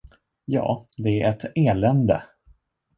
Ja, det är ett elände!